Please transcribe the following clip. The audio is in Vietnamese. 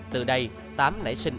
từ đây tám nảy sinh